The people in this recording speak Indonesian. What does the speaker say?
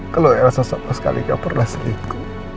kalau rss sama sekali gak pernah selidik